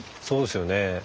そうですよね。